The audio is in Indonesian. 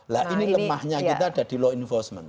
nah ini lemahnya kita ada di law enforcement